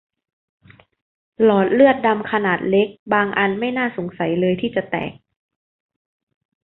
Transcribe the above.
หลอดเลือดดำขนาดเล็กบางอันไม่น่าสงสัยเลยที่จะแตก